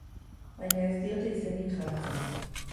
Baina ez diote izenik jartzen.